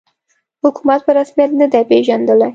حکومت په رسمیت نه دی پېژندلی